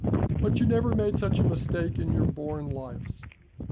But you never made such a mistake in your born lives.